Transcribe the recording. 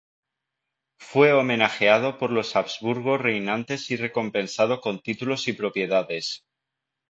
Fue homenajeado por los Habsburgo reinantes y recompensado con títulos y propiedades.